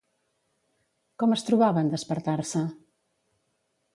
Com es trobava en despertar-se?